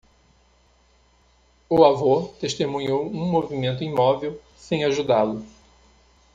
O avô testemunhou um movimento imóvel, sem ajudá-lo.